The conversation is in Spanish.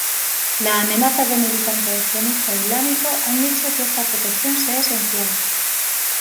Las amenazas de militantes extremistas islámicos han hecho que esta protección sea esencial.